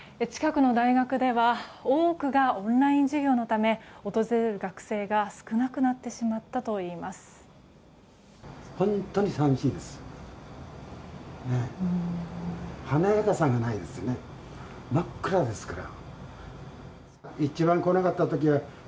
近くの大学では多くがオンライン授業のため訪れる学生が少なくなってしまったといいます。